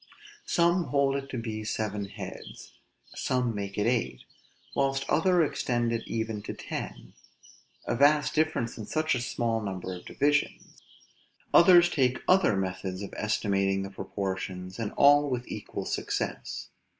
Some hold it to be seven heads; some make it eight; whilst others extend it even to ten: a vast difference in such a small number of divisions! Others take other methods of estimating the proportions, and all with equal success.